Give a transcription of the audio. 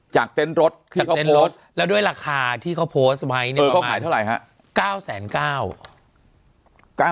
จากเต้นรถแล้วละคาที่เขาโพสไว้ไขเท่าไหร่คะ